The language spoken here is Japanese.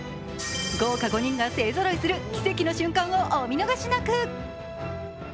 豪華５人が勢ぞろいする奇跡の瞬間をお見逃しなく！